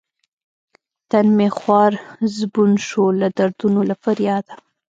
تن مې خوار زبون شو لۀ دردونو له فرياده